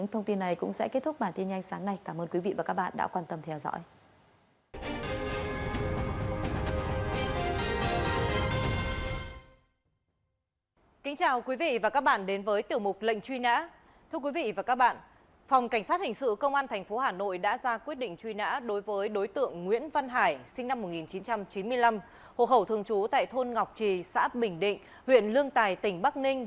năm một nghìn chín trăm chín mươi năm hộ khẩu thường trú tại thôn ngọc trì xã bình định huyện lương tài tỉnh bắc ninh